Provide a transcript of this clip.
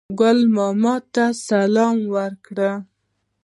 ګل ماما ته سلام ورکړ.